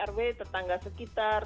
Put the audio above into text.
rt rw tetangga sekitar